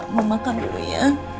mama makan dulu ya